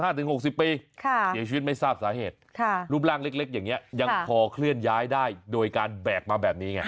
เสียชีวิตไม่ทราบสาเหตุรูปร่างเล็กอย่างนี้ยังพอเคลื่อนย้ายได้โดยการแบกมาแบบนี้ไง